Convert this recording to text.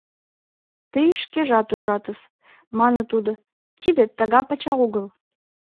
— Тый шкежат ужатыс, — мане тудо, — тиде тага пача огыл.